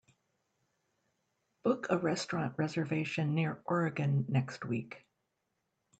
Book a restaurant reservation near Oregon next week